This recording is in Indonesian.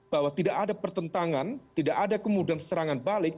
bahwa tidak ada pertentangan tidak ada kemudian serangan balik